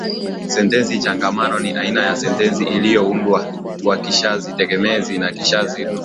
Sentensi changamano ni aina ya sentensi iliyoundwa kwa kishazi tegemezi na kishazi huru.